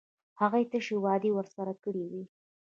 هغوی تشې وعدې ورسره کړې وې.